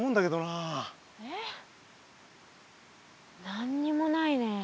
何にもないね。